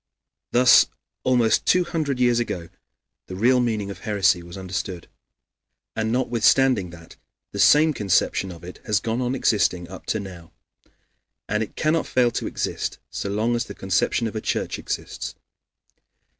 Thus, almost two hundred years ago, the real meaning of heresy was understood. And notwithstanding that, the same conception of it has gone on existing up to now. And it cannot fail to exist so long as the conception of a church exists.